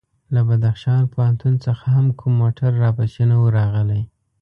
له بدخشان پوهنتون څخه هم کوم موټر راپسې نه و راغلی.